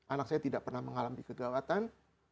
anak saya tidak pernah mengalami kegawatan